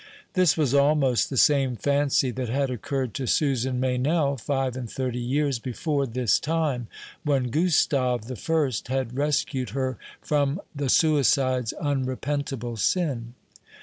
This was almost the same fancy that had occurred to Susan Meynell five and thirty years before this time, when Gustave the first had rescued her from the suicide's unrepentable sin.